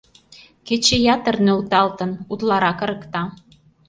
Кече ятыр нӧлталтын, утларак ырыкта.